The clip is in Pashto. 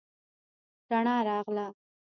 رڼا راغله.